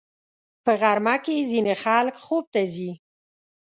په غرمه کې ځینې خلک خوب ته ځي